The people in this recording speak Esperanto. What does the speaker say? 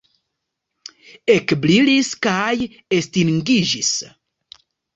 Ekbrilis kaj estingiĝis.